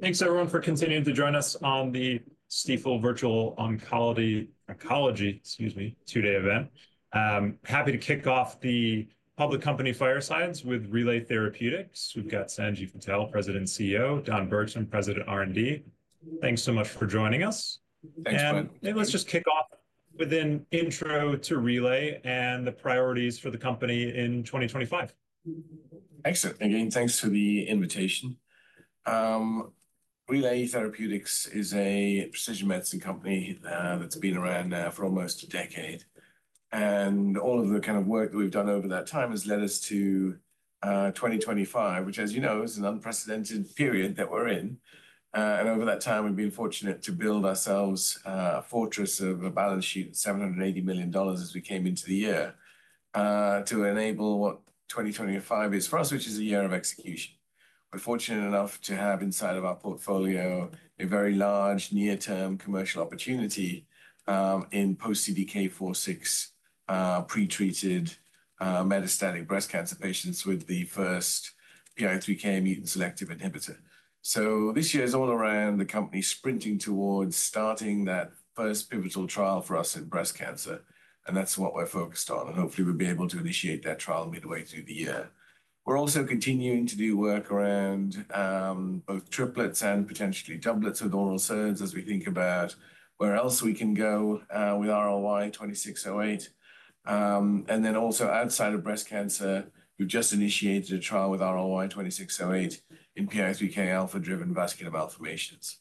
Thanks, everyone, for continuing to join us on the Stifel Virtual Oncology, Oncology, excuse me, today event. Happy to kick off the public company firesides with Relay Therapeutics. We've got Sanjiv Patel, President and CEO, Don Bergstrom, President R&D. Thanks so much for joining us. Thanks, Brad. Maybe let's just kick off with an intro to Relay and the priorities for the company in 2025. Excellent. Again, thanks for the invitation. Relay Therapeutics is a precision medicine company that's been around for almost a decade. All of the kind of work that we've done over that time has led us to 2025, which, as you know, is an unprecedented period that we're in. Over that time, we've been fortunate to build ourselves a fortress of a balance sheet of $780 million as we came into the year to enable what 2025 is for us, which is a year of execution. We're fortunate enough to have inside of our portfolio a very large near-term commercial opportunity in post-CDK4/6 pretreated metastatic breast cancer patients with the first PI3K mutant selective inhibitor. This year is all around the company sprinting towards starting that first pivotal trial for us in breast cancer. That's what we're focused on. Hopefully, we'll be able to initiate that trial midway through the year. We're also continuing to do work around both triplets and potentially doublets of oral SERDs as we think about where else we can go with RLY-2608. Also, outside of breast cancer, we've just initiated a trial with RLY-2608 in PI3K alpha-driven vascular malformations.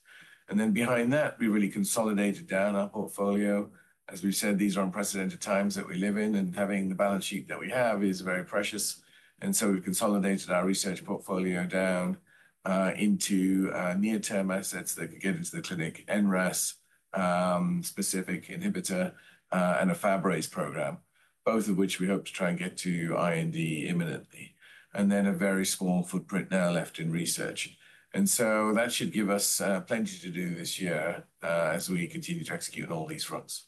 Behind that, we really consolidated down our portfolio. As we've said, these are unprecedented times that we live in, and having the balance sheet that we have is very precious. We've consolidated our research portfolio down into near-term assets that could get into the clinic NRAS-specific inhibitor and a Fabry's program, both of which we hope to try and get to IND imminently, and then a very small footprint now left in research. That should give us plenty to do this year as we continue to execute on all these fronts.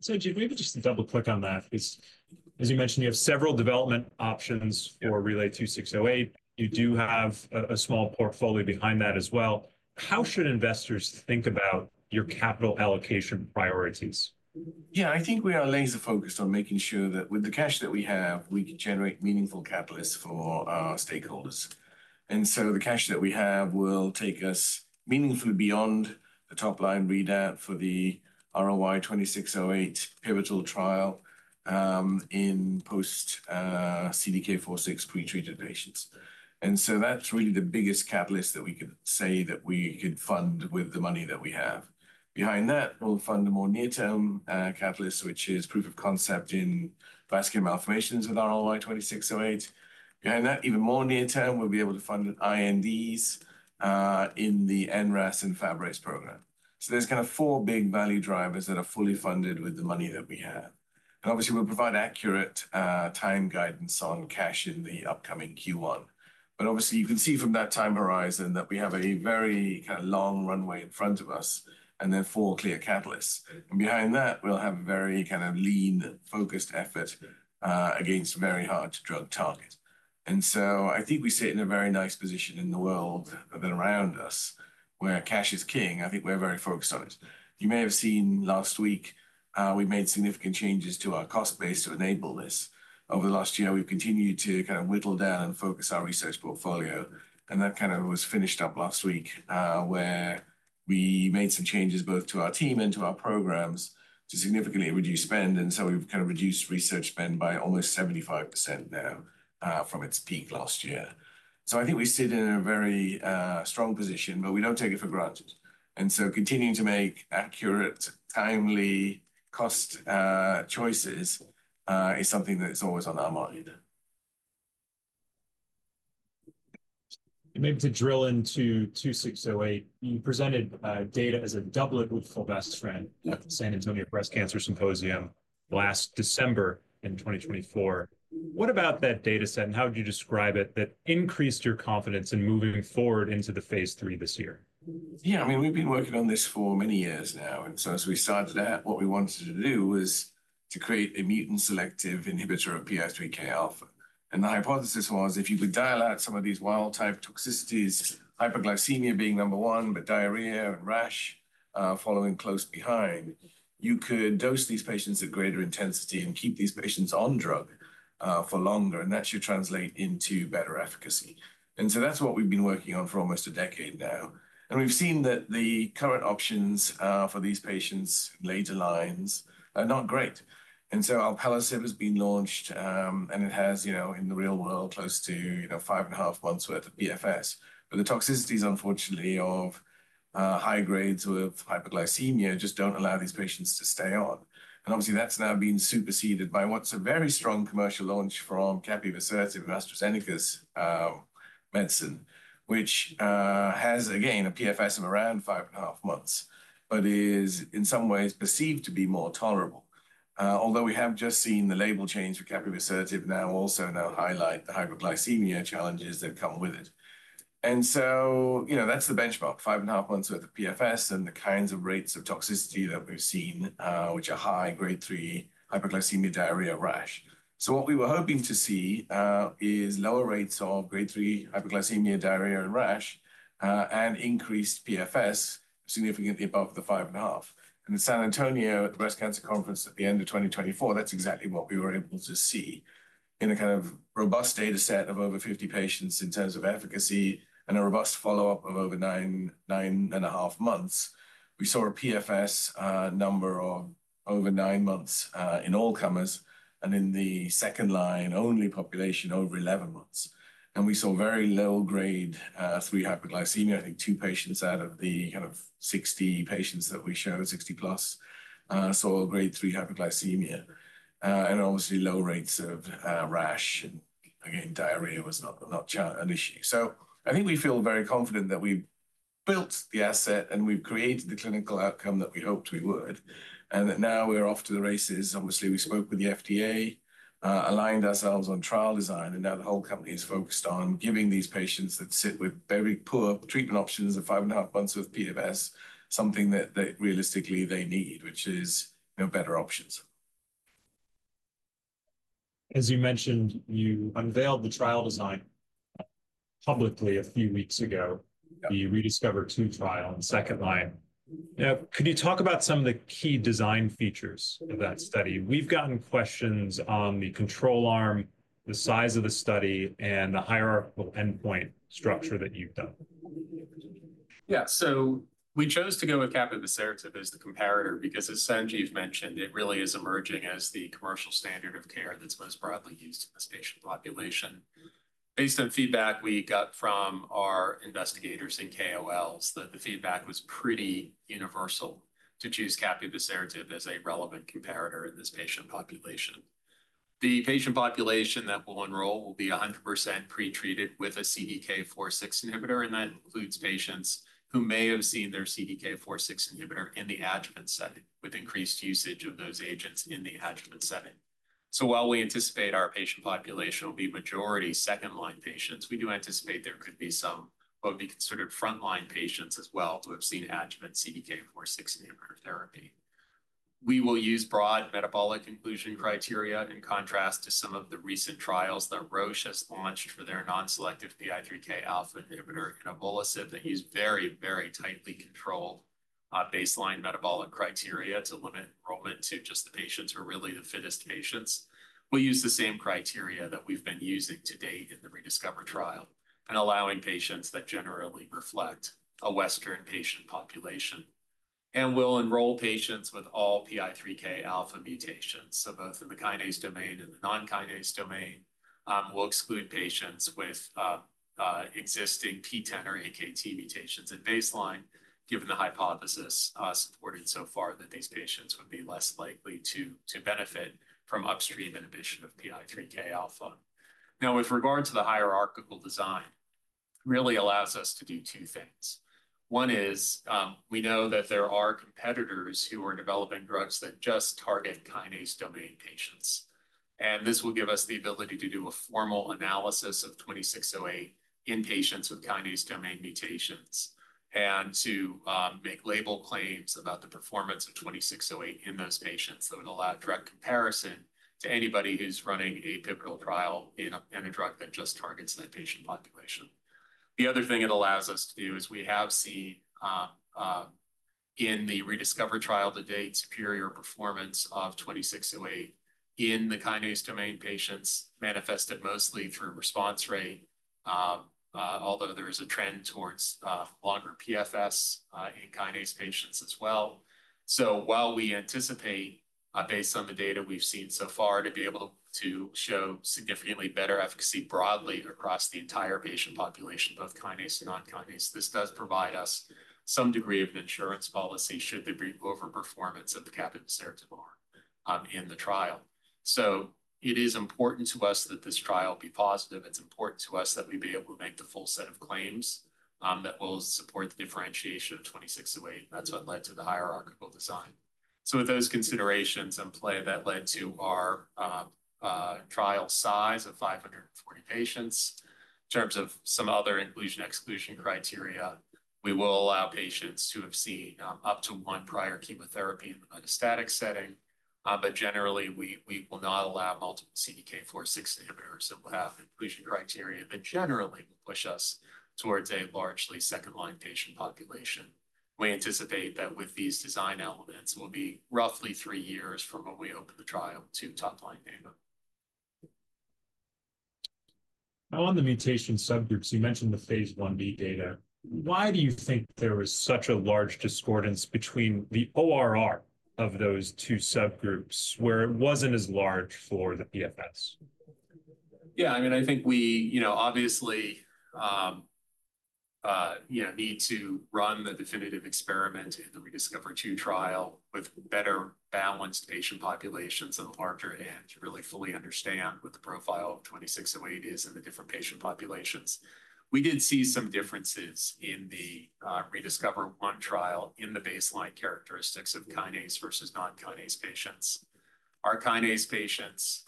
Sanjiv, maybe just to double-click on that, because as you mentioned, you have several development options for RLY-2608. You do have a small portfolio behind that as well. How should investors think about your capital allocation priorities? Yeah, I think we are laser-focused on making sure that with the cash that we have, we can generate meaningful catalysts for our stakeholders. The cash that we have will take us meaningfully beyond the top-line readout for the RLY-2608 pivotal trial in post-CDK4/6 pretreated patients. That is really the biggest catalyst that we could say that we could fund with the money that we have. Behind that, we will fund a more near-term catalyst, which is proof of concept in vascular malformations with RLY-2608. Behind that, even more near-term, we will be able to fund INDs in the NRAS and Fabry's program. There are kind of four big value drivers that are fully funded with the money that we have. Obviously, we will provide accurate time guidance on cash in the upcoming Q1. Obviously, you can see from that time horizon that we have a very kind of long runway in front of us and then four clear catalysts. Behind that, we'll have a very kind of lean-focused effort against very hard-to-drug targets. I think we sit in a very nice position in the world that is around us where cash is king. I think we're very focused on it. You may have seen last week we made significant changes to our cost base to enable this. Over the last year, we've continued to kind of whittle down and focus our research portfolio. That kind of was finished up last week where we made some changes both to our team and to our programs to significantly reduce spend. We've kind of reduced research spend by almost 75% now from its peak last year. I think we sit in a very strong position, but we do not take it for granted. Continuing to make accurate, timely cost choices is something that is always on our mind. Maybe to drill into 2608, you presented data as a doublet with fulvestrant at the San Antonio Breast Cancer Symposium last December in 2024. What about that data set, and how would you describe it that increased your confidence in moving forward into the phase III this year? Yeah, I mean, we've been working on this for many years now. As we started out, what we wanted to do was to create a mutant selective inhibitor of PI3K alpha. The hypothesis was if you could dial out some of these wild-type toxicities, hypoglycemia being number one, but diarrhea and rash following close behind, you could dose these patients at greater intensity and keep these patients on drug for longer. That should translate into better efficacy. That's what we've been working on for almost a decade now. We've seen that the current options for these patients' later lines are not great. Alpelisib has been launched, and it has, you know, in the real world, close to five and a half months' worth of PFS. The toxicities, unfortunately, of high grades with hypoglycemia just do not allow these patients to stay on. Obviously, that has now been superseded by what is a very strong commercial launch from capivasertib and AstraZeneca's medicine, which has, again, a PFS of around five and a half months, but is in some ways perceived to be more tolerable. Although we have just seen the label change for capivasertib now also now highlight the hypoglycemia challenges that come with it. You know, that is the benchmark, five and a half months' worth of PFS and the kinds of rates of toxicity that we have seen, which are high grade three hypoglycemia, diarrhea, rash. What we were hoping to see is lower rates of grade three hypoglycemia, diarrhea, and rash and increased PFS significantly above the five and a half. At San Antonio at the Breast Cancer Conference at the end of 2024, that's exactly what we were able to see. In a kind of robust data set of over 50 patients in terms of efficacy and a robust follow-up of over nine and a half months, we saw a PFS number of over nine months in all comers and in the second line only population over 11 months. We saw very low grade three hypoglycemia. I think two patients out of the kind of 60 patients that we showed, 60 plus, saw grade three hypoglycemia. Obviously, low rates of rash and, again, diarrhea was not an issue. I think we feel very confident that we built the asset and we've created the clinical outcome that we hoped we would and that now we're off to the races. Obviously, we spoke with the FDA, aligned ourselves on trial design, and now the whole company is focused on giving these patients that sit with very poor treatment options of five and a half months of PFS something that realistically they need, which is better options. As you mentioned, you unveiled the trial design publicly a few weeks ago. You ReDiscover-2 trial in the second line. Now, could you talk about some of the key design features of that study? We've gotten questions on the control arm, the size of the study, and the hierarchical endpoint structure that you've done. Yeah, so we chose to go with capivasertib as the comparator because, as Sanjiv mentioned, it really is emerging as the commercial standard of care that's most broadly used in this patient population. Based on feedback we got from our investigators and KOLs, the feedback was pretty universal to choose capivasertib as a relevant comparator in this patient population. The patient population that will enroll will be 100% pretreated with a CDK4/6 inhibitor, and that includes patients who may have seen their CDK4/6 inhibitor in the adjuvant setting with increased usage of those agents in the adjuvant setting. While we anticipate our patient population will be majority second line patients, we do anticipate there could be some what would be considered front line patients as well who have seen adjuvant CDK4/6 inhibitor therapy. We will use broad metabolic inclusion criteria in contrast to some of the recent trials that Roche has launched for their non-selective PI3K alpha inhibitor, inavolisib, that use very, very tightly controlled baseline metabolic criteria to limit enrollment to just the patients who are really the fittest patients. We'll use the same criteria that we've been using to date in the ReDiscover trial and allowing patients that generally reflect a Western patient population. And we'll enroll patients with all PI3K alpha mutations, so both in the kinase domain and the non-kinase domain. We'll exclude patients with existing PTEN or AKT mutations at baseline, given the hypothesis supported so far that these patients would be less likely to benefit from upstream inhibition of PI3K alpha. Now, with regard to the hierarchical design, it really allows us to do two things. One is we know that there are competitors who are developing drugs that just target kinase domain patients. This will give us the ability to do a formal analysis of 2608 in patients with kinase domain mutations and to make label claims about the performance of 2608 in those patients. That would allow direct comparison to anybody who is running a pivotal trial in a drug that just targets that patient population. The other thing it allows us to do is we have seen in the ReDiscover trial to date superior performance of 2608 in the kinase domain patients manifested mostly through response rate, although there is a trend towards longer PFS in kinase patients as well. While we anticipate, based on the data we've seen so far, to be able to show significantly better efficacy broadly across the entire patient population, both kinase and non-kinase, this does provide us some degree of insurance policy should there be overperformance of the capivasertib in the trial. It is important to us that this trial be positive. It's important to us that we be able to make the full set of claims that will support the differentiation of 2608. That's what led to the hierarchical design. With those considerations in play that led to our trial size of 540 patients, in terms of some other inclusion-exclusion criteria, we will allow patients to have seen up to one prior chemotherapy in the metastatic setting. Generally, we will not allow multiple CDK4/6 inhibitors that will have inclusion criteria that generally will push us towards a largely second line patient population. We anticipate that with these design elements, we'll be roughly three years from when we open the trial to top-line data. Now, on the mutation subgroups, you mentioned the phase Ib data. Why do you think there was such a large discordance between the ORR of those two subgroups where it wasn't as large for the PFS? Yeah, I mean, I think we, you know, obviously need to run the definitive experiment in the ReDiscover-2 trial with better balanced patient populations on the larger end to really fully understand what the profile of 2608 is in the different patient populations. We did see some differences in the ReDiscover-1 trial in the baseline characteristics of kinase versus non-kinase patients. Our kinase patients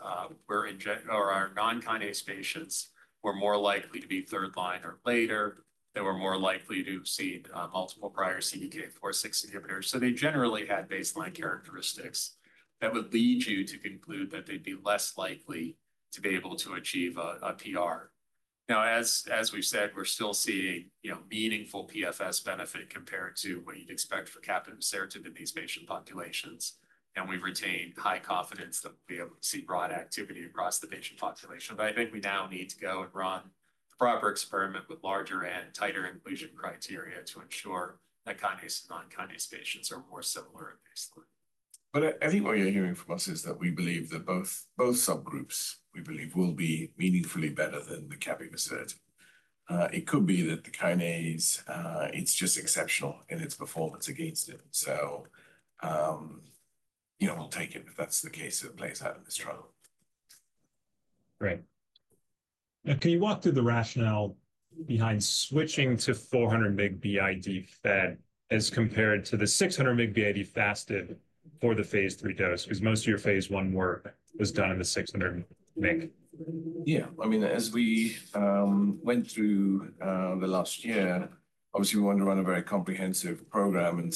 were in or our non-kinase patients were more likely to be third line or later. They were more likely to have seen multiple prior CDK4/6 inhibitors. So they generally had baseline characteristics that would lead you to conclude that they'd be less likely to be able to achieve a PR. Now, as we've said, we're still seeing meaningful PFS benefit compared to what you'd expect for capivasertib in these patient populations. We have retained high confidence that we'll be able to see broad activity across the patient population. I think we now need to go and run the proper experiment with larger and tighter inclusion criteria to ensure that kinase and non-kinase patients are more similar at baseline. I think what you're hearing from us is that we believe that both subgroups, we believe, will be meaningfully better than the capivasertib. It could be that the kinase, it's just exceptional in its performance against it. We'll take it if that's the case that plays out in this trial. Right. Now, can you walk through the rationale behind switching to 400 mg BID fed as compared to the 600 mg BID fasted for the phase III dose? Because most of your phase one work was done in the 600 mg. Yeah, I mean, as we went through the last year, obviously, we wanted to run a very comprehensive program.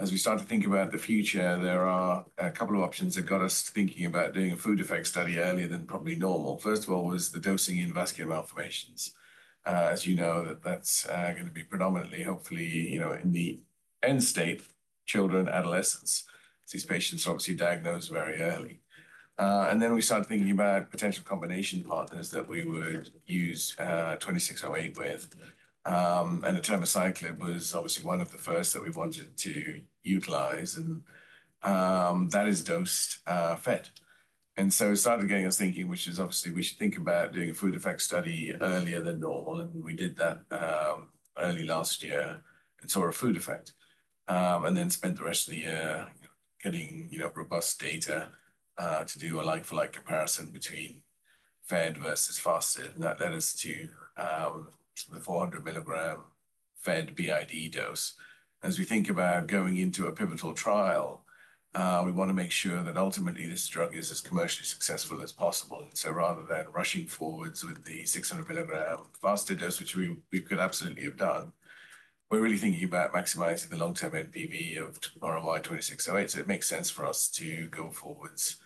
As we started to think about the future, there are a couple of options that got us thinking about doing a food effect study earlier than probably normal. First of all was the dosing in vascular malformations. As you know, that's going to be predominantly, hopefully, in the end state, children, adolescents. These patients are obviously diagnosed very early. We started thinking about potential combination partners that we would use 2608 with. Abemaciclib was obviously one of the first that we wanted to utilize. That is dosed fed. It started getting us thinking, which is obviously we should think about doing a food effect study earlier than normal. We did that early last year and saw a food effect. We spent the rest of the year getting robust data to do a like-for-like comparison between fed versus fasted. That led us to the 400 mg fed BID dose. As we think about going into a pivotal trial, we want to make sure that ultimately this drug is as commercially successful as possible. Rather than rushing forwards with the 600 mg fasted dose, which we could absolutely have done, we're really thinking about maximizing the long-term NPV of RLY-2608. It makes sense for us to go forwards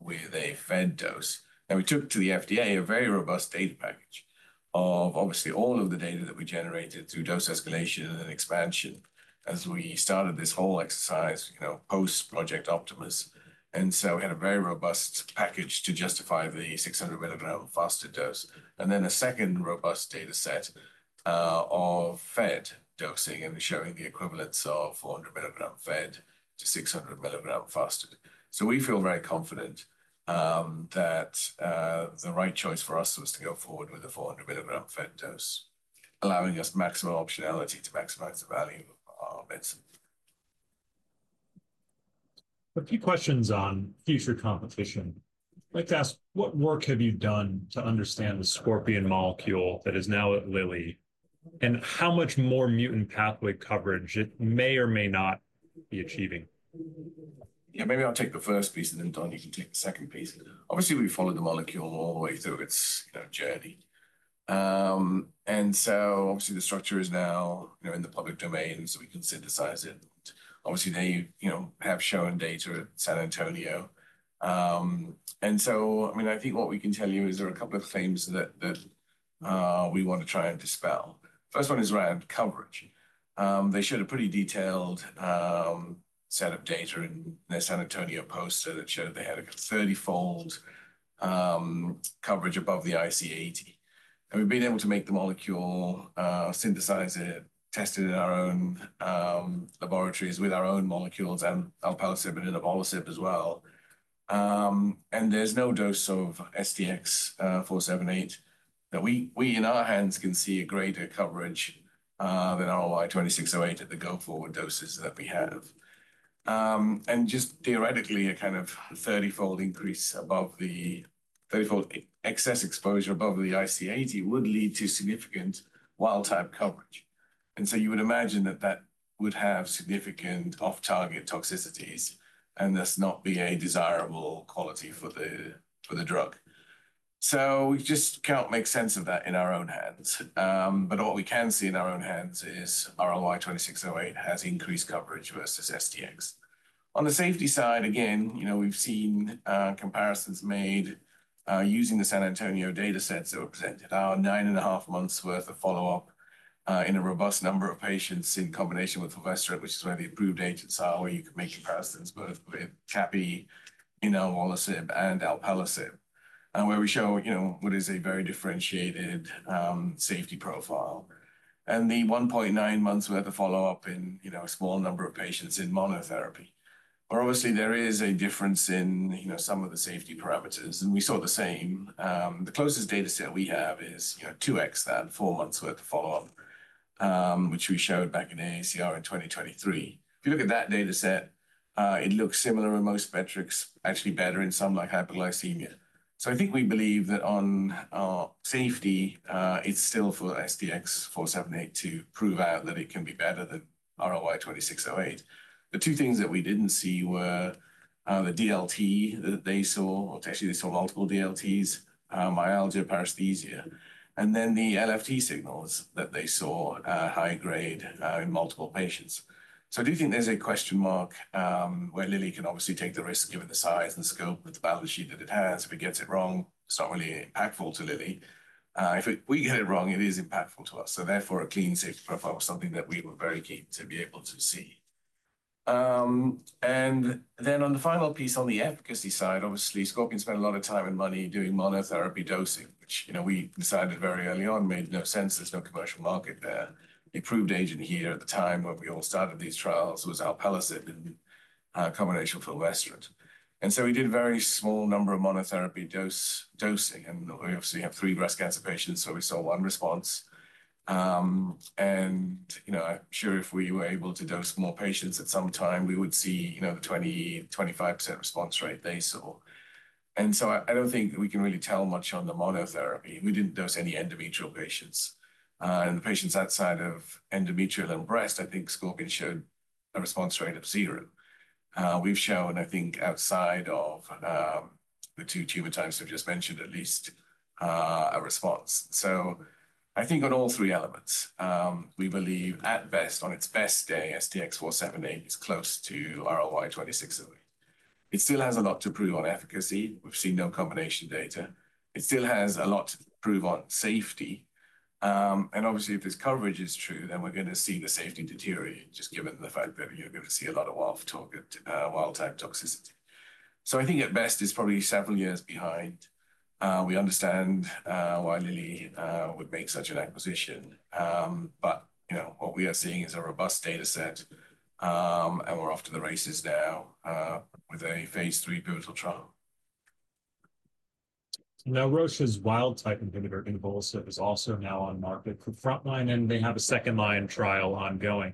with a fed dose. We took to the FDA a very robust data package of obviously all of the data that we generated through dose escalation and expansion as we started this whole exercise, post-Project Optimus. We had a very robust package to justify the 600 mg fasted dose. A second robust data set of fed dosing and showing the equivalence of 400 mg fed to 600 mg fasted was generated. We feel very confident that the right choice for us was to go forward with the 400 mg fed dose, allowing us maximum optionality to maximize the value of our medicine. A few questions on future competition. I'd like to ask, what work have you done to understand the Scorpion molecule that is now at Lilly and how much more mutant pathway coverage it may or may not be achieving? Yeah, maybe I'll take the first piece and then Donny can take the second piece. Obviously, we followed the molecule all the way through its journey. Obviously, the structure is now in the public domain so we can synthesize it. Obviously, they have shown data at San Antonio. I mean, I think what we can tell you is there are a couple of claims that we want to try and dispel. First one is around coverage. They showed a pretty detailed set of data in their San Antonio poster that showed they had a 30-fold coverage above the IC80. We've been able to make the molecule, synthesize it, test it in our own laboratories with our own molecules and alpelisib and abemaciclib as well. There is no dose of STX-478 that we in our hands can see a greater coverage than RLY-2608 at the go-forward doses that we have. Just theoretically, a kind of 30-fold increase above the 30-fold excess exposure above the IC80 would lead to significant wild-type coverage. You would imagine that that would have significant off-target toxicities and this not be a desirable quality for the drug. We just can't make sense of that in our own hands. What we can see in our own hands is RLY-2608 has increased coverage versus STX. On the safety side, again, we've seen comparisons made using the San Antonio data sets that were presented. Our nine and a half months' worth of follow-up in a robust number of patients in combination with fulvestrant, which is where the approved agents are, where you can make comparisons both with capivasertib, inavolisib, and alpelisib, where we show what is a very differentiated safety profile. The 1.9 months' worth of follow-up in a small number of patients in monotherapy. Obviously, there is a difference in some of the safety parameters. We saw the same. The closest data set we have is 2x that, four months' worth of follow-up, which we showed back in AACR in 2023. If you look at that data set, it looks similar in most metrics, actually better in some like hypoglycemia. I think we believe that on safety, it's still for STX-478 to prove out that it can be better than RLY-2608. The two things that we didn't see were the DLT that they saw, or actually they saw multiple DLTs, myalgia, paresthesia. The LFT signals that they saw high grade in multiple patients. I do think there's a question mark where Lilly can obviously take the risk given the size and scope of the balance sheet that it has. If it gets it wrong, it's not really impactful to Lilly. If we get it wrong, it is impactful to us. Therefore, a clean safety profile was something that we were very keen to be able to see. On the final piece on the efficacy side, obviously, Scorpion spent a lot of time and money doing monotherapy dosing, which we decided very early on made no sense. There's no commercial market there. The approved agent here at the time when we all started these trials was alpelisib in a combination with fulvestrant. We did a very small number of monotherapy dosing. We obviously have three breast cancer patients, so we saw one response. I'm sure if we were able to dose more patients at some time, we would see the 20%-25% response rate they saw. I don't think we can really tell much on the monotherapy. We didn't dose any endometrial patients. The patients outside of endometrial and breast, I think Scorpion showed a response rate of zero. We've shown, I think, outside of the two tumor types we've just mentioned, at least a response. I think on all three elements, we believe at best, on its best day, STX-478 is close to RLY-2608. It still has a lot to prove on efficacy. We've seen no combination data. It still has a lot to prove on safety. Obviously, if this coverage is true, then we're going to see the safety deteriorate just given the fact that you're going to see a lot of wild-type toxicity. I think at best, it's probably several years behind. We understand why Lilly would make such an acquisition. What we are seeing is a robust data set, and we're off to the races now with a phase III pivotal trial. Now, Roche's wild-type inhibitor, inavolisib, is also now on market for frontline, and they have a second line trial ongoing.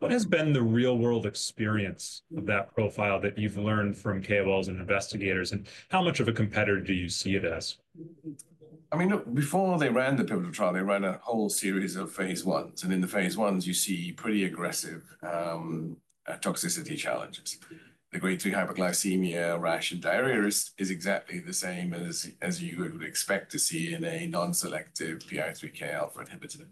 What has been the real-world experience of that profile that you've learned from KOLs and investigators, and how much of a competitor do you see it as? I mean, before they ran the pivotal trial, they ran a whole series of phase I. In the phase I, you see pretty aggressive toxicity challenges. The grade three hypoglycemia, rash, and diarrhea is exactly the same as you would expect to see in a non-selective PI3K alpha inhibitor.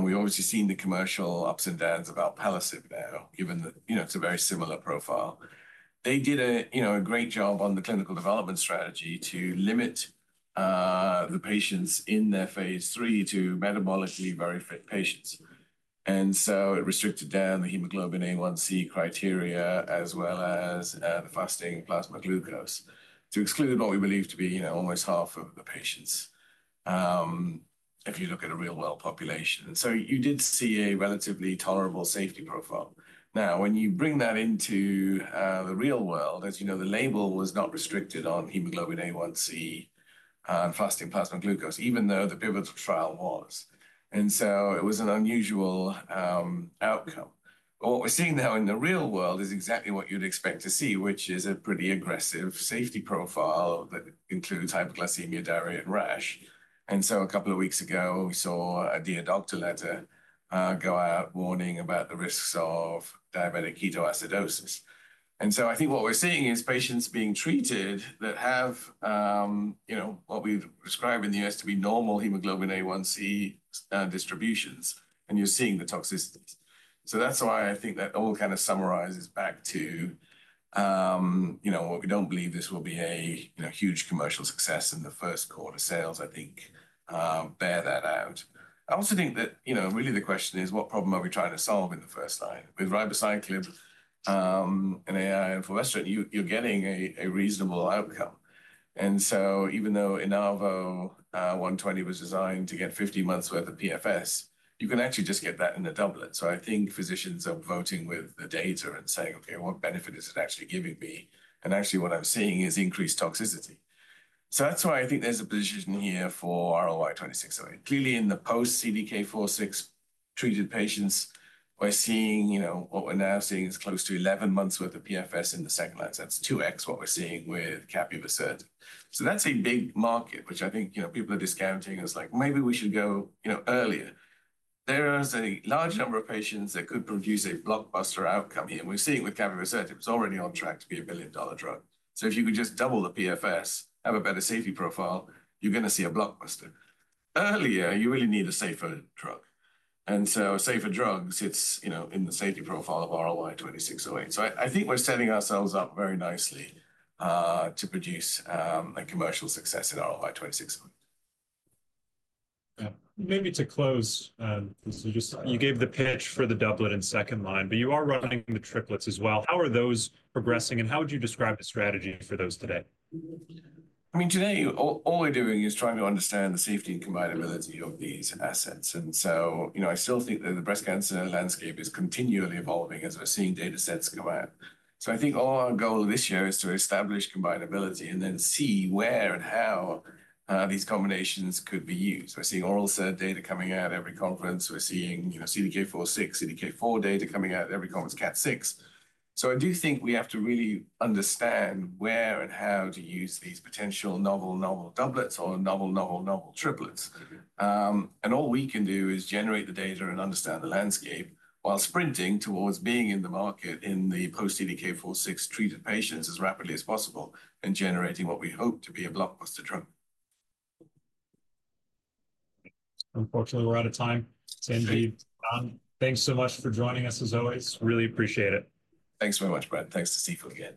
We have obviously seen the commercial ups and downs of alpelisib now, given that it is a very similar profile. They did a great job on the clinical development strategy to limit the patients in their phase III to metabolically very fit patients. It restricted down the hemoglobin A1c criteria as well as the fasting plasma glucose to exclude what we believe to be almost half of the patients if you look at a real-world population. You did see a relatively tolerable safety profile. Now, when you bring that into the real world, as you know, the label was not restricted on hemoglobin A1c and fasting plasma glucose, even though the pivotal trial was. It was an unusual outcome. What we're seeing now in the real world is exactly what you'd expect to see, which is a pretty aggressive safety profile that includes hypoglycemia, diarrhea, and rash. A couple of weeks ago, we saw a Dear Dr. Letter go out warning about the risks of diabetic ketoacidosis. I think what we're seeing is patients being treated that have what we describe in the U.S. to be normal hemoglobin A1c distributions, and you're seeing the toxicities. That's why I think that all kind of summarizes back to what we don't believe this will be a huge commercial success in the first quarter. Sales, I think, bear that out. I also think that really the question is, what problem are we trying to solve in the first line? With ribociclib and fulvestrant, you're getting a reasonable outcome. Even though INAVO120 was designed to get 15 months' worth of PFS, you can actually just get that in a doublet. I think physicians are voting with the data and saying, "Okay, what benefit is it actually giving me?" Actually, what I'm seeing is increased toxicity. That is why I think there's a position here for RLY-2608. Clearly, in the post-CDK4/6 treated patients, what we're now seeing is close to 11 months' worth of PFS in the second line. That is 2x what we're seeing with capivasertib. That's a big market, which I think people are discounting as like, "Maybe we should go earlier." There is a large number of patients that could produce a blockbuster outcome here. We're seeing with capivasertib, it was already on track to be a billion-dollar drug. If you could just double the PFS, have a better safety profile, you're going to see a blockbuster. Earlier, you really need a safer drug. A safer drug sits in the safety profile of RLY-2608. I think we're setting ourselves up very nicely to produce a commercial success in RLY-2608. Maybe to close, you gave the pitch for the doublet in second line, but you are running the triplets as well. How are those progressing, and how would you describe the strategy for those today? I mean, today, all we're doing is trying to understand the safety and combine-ability of these assets. I still think that the breast cancer landscape is continually evolving as we're seeing data sets come out. I think all our goal this year is to establish combine-ability and then see where and how these combinations could be used. We're seeing oral SERD data coming out every conference. We're seeing CDK4/6, CDK4 data coming out every conference, KAT6. I do think we have to really understand where and how to use these potential novel, novel doublets or novel, novel, novel triplets. All we can do is generate the data and understand the landscape while sprinting towards being in the market in the post-CDK4/6 treated patients as rapidly as possible and generating what we hope to be a blockbuster drug. Unfortunately, we're out of time. Sanjiv, Don, thanks so much for joining us as always. Really appreciate it. Thanks very much, Brad. Thanks to Stifel again.